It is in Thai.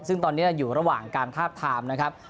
ซึ่งตอนนี้อยู่ระหว่างการทาบทามนะครับ